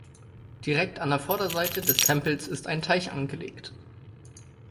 Direkt an der Vorderseite des Tempels ist ein Teich angelegt.